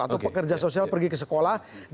atau pekerja sosial pergi ke sekolah